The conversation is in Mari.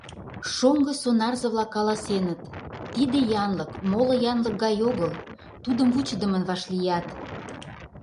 Шоҥго сонарзе-влак каласеныт: тиде янлык — моло янлык гай огыл, тудым вучыдымын вашлият.